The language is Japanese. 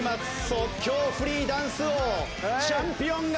即興フリーダンス王チャンピオンが決まる瞬間！